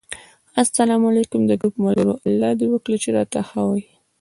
اسلام علیکم! د ګروپ ملګرو! الله دې وکړي چې راته ښه وی